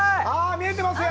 見えてますよ。